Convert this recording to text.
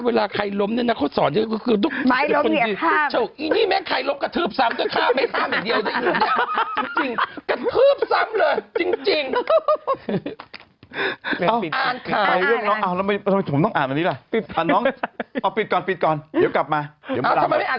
เมอร์ริโอมยกโทษด้วยคุณนะเขาจะเอาร้องหาร